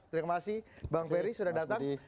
terima kasih bang ferry sudah datang